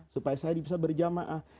supaya saya bisa berjamaah